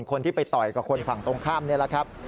คนที่ไปต่อยกับคนฝั่งตรงข้ามนี่แหละครับ